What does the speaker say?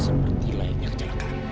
seperti layaknya kecelakaan